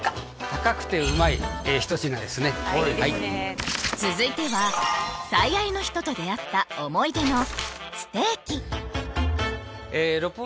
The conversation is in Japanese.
高くてうまい一品ですねはい続いては最愛の人と出会った思い出の龍馬さん？